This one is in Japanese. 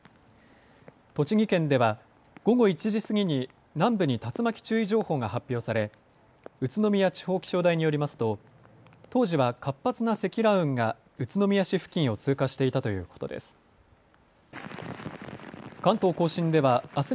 栃木県では午後１時過ぎに南部に竜巻注意情報が発表され宇都宮地方気象台によりますと当時は活発な積乱雲が宇都宮市付近を通過していたということです。